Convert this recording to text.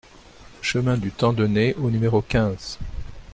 Chemin du Tandenet au numéro quinze